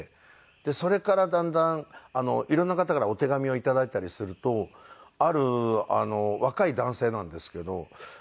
それからだんだん色んな方からお手紙を頂いたりするとある若い男性なんですけど。